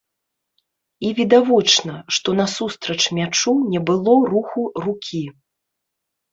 І відавочна, што насустрач мячу не было руху рукі.